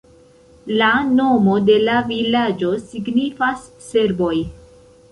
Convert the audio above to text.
La nomo de la vilaĝo signifas "serboj".